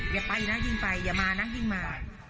อย่าไปนะยิ่งไปอย่ามานะวิ่งมา